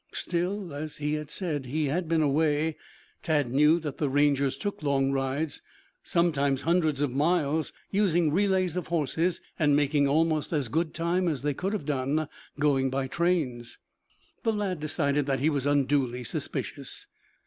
Still, as he had said, he had been away. Tad knew that the Rangers took long rides, sometimes hundreds of miles, using relays of horses and making almost as good time as they could have done going by trains. The lad decided that he was unduly suspicious.